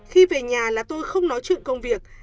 khi về nhà là tôi không nói chuyện công việc